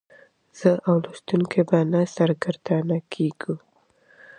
زه او لوستونکی به نه سرګردانه کیږو.